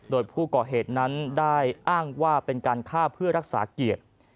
โดยผู้ก่อเหตุนั้นได้อ้างว่าเป็นการฆ่าเพื่อรักษาเกียรติ